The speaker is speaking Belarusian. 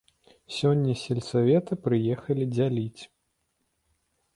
Сёння з сельсавета прыехалі дзяліць.